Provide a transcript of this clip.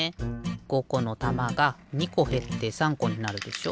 ５このたまが２こへって３こになるでしょ。